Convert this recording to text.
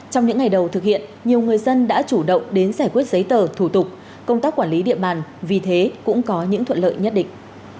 trong những ngày đầu thực hiện nhiều người dân đã chủ động đến giải quyết giấy tờ thủ tục công tác quản lý địa bàn vì thế cũng có những thuận lợi nhất định